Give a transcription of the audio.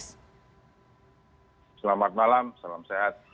selamat malam salam sehat